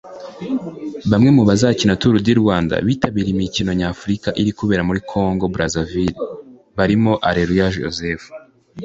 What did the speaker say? Bamwe mu bazakina Tour du Rwanda bitabiriye imikino nyafurika iri kubera muri Congo Brazzaville barimo Aleluya Joseph